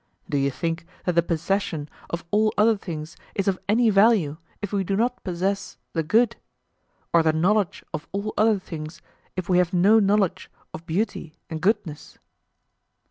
Do you think that the possession of all other things is of any value if we do not possess the good? or the knowledge of all other things if we have no knowledge of beauty and goodness?